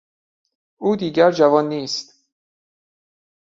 او دیگر جوان نیست.